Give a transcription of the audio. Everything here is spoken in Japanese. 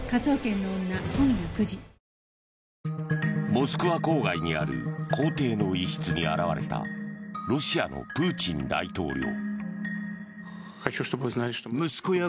モスクワ郊外にある公邸の一室に現れたロシアのプーチン大統領。